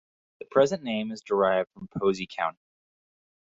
The present name is derived from Posey County.